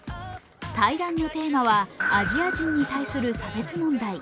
対談のテーマはアジア人に対する差別問題。